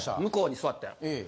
向こうに座って。